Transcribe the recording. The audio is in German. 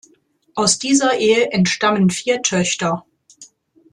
Aus dieser Ehe entstammen vier Töchter.